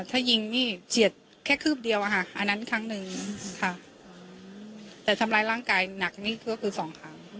ถ้ายิงนี่เฉียดแค่คืบเดียวอะค่ะอันนั้นครั้งหนึ่งค่ะแต่ทำร้ายร่างกายหนักนี่ก็คือสองครั้ง